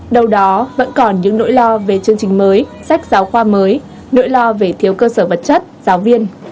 đâu đó vẫn còn những nỗi lo về chương trình mới sách giáo khoa mới nỗi lo về thiếu cơ sở vật chất giáo viên